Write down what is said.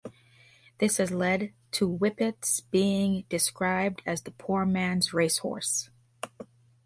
This has led to Whippets being described as the poor man's racehorse.